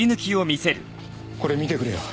これ見てくれよ。